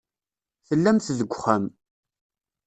Tellamt deg uxxam.